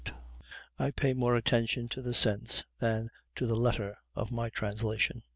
I pay more attention to the sense than to the letter in my translation.